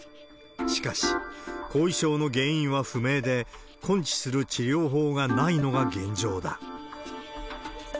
しかし、後遺症の原因は不明で、根治する治療法がないのが現状だ。